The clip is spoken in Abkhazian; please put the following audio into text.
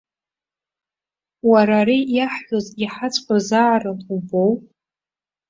Уара, ари иаҳҳәоз иаҳаҵәҟьозаарын убоу!